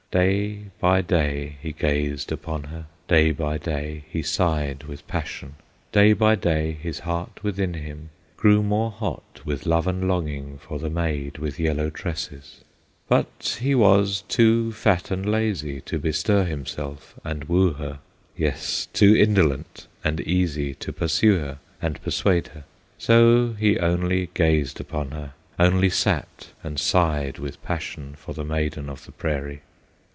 Day by day he gazed upon her, Day by day he sighed with passion, Day by day his heart within him Grew more hot with love and longing For the maid with yellow tresses. But he was too fat and lazy To bestir himself and woo her. Yes, too indolent and easy To pursue her and persuade her; So he only gazed upon her, Only sat and sighed with passion For the maiden of the prairie.